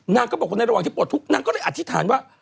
นางก็บอกว่าในระหว่างที่ปลดทุกข์นางก็เลยอธิษฐานว่า